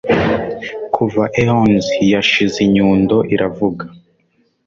Kuva eons yashize inyundo iravuga